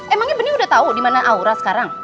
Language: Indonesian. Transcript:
emangnya bening udah tau dimana aura sekarang